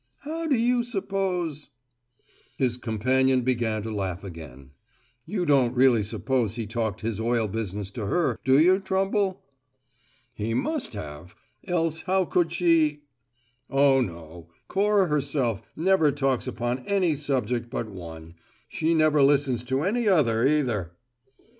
How do you suppose " His companion began to laugh again. "You don't really suppose he talked his oil business to her, do you, Trumble?" "He must have. Else how could she " "Oh, no, Cora herself never talks upon any subject but one; she never listens to any other either."